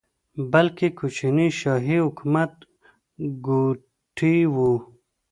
بلکې کوچني شاهي حکومت ګوټي وو.